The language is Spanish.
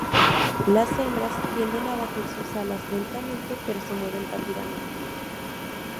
Las hembras tienden a batir sus alas lentamente, pero se mueven rápidamente.